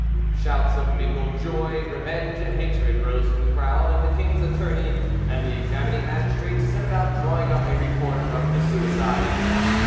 Shouts of mingled joy, revenge, and hatred rose from the crowd, and the king's attorney and the examining magistrate set about drawing up a report of the suicide.